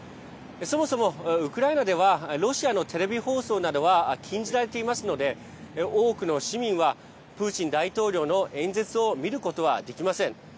そもそも、ウクライナではロシアのテレビ放送などは禁じられていますので多くの市民はプーチン大統領の演説を見ることはできません。